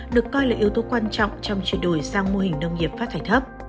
được coi là yếu tố quan trọng trong chuyển đổi sang mô hình nông nghiệp phát thải thấp